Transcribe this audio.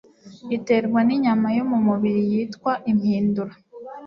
iterwa n' inyama yo mu mubiri yitwa impindura